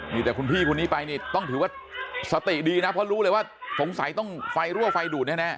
มีแต่คุณพี่คนนี้ไปนี่ต้องถือว่าสติดีนะเพราะรู้เลยว่าสงสัยต้องไฟรั่วไฟดูดแน่